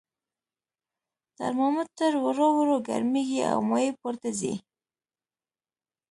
ترمامتر ورو ورو ګرمیږي او مایع پورته ځي.